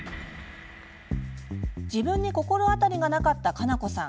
自分に心当たりがなかったかなこさん。